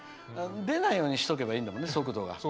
出ないようにしとけばいいんだもんね、速度が。